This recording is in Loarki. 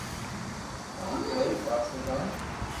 ھون ڪوئي ڀاجي کاوِ